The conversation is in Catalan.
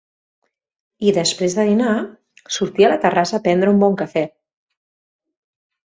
I després de dinar, sortia a la terrassa a prendre un bon cafè.